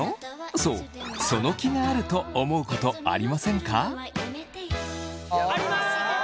そう「その気がある？」と思うことありませんか？